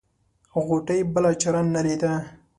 غوټۍ بله چاره نه ليده.